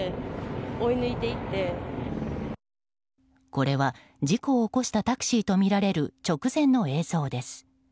これは、事故を起こしたタクシーとみられる直前の映像です。